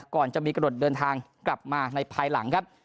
ก่อนจะมีกระโดดเดินทางกลับมาในภายหลังครับ